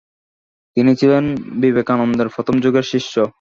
তিনি ছিলেন বিবেকানন্দের প্রথম যুগের শিষ্য।